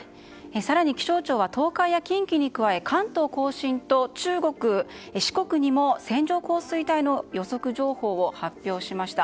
更に気象庁は東海や近畿に加え関東・甲信と中国・四国にも線状降水帯の予測情報を発表しました。